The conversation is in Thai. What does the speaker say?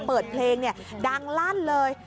เปิดเพลงเนี่ยดังลัดเลย